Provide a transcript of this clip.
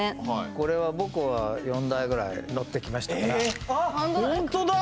これは僕は４台ぐらい乗ってきましたからえっホントだ！